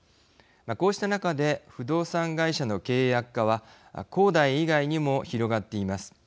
こうした中で不動産会社の経営悪化は恒大以外にも広がっています。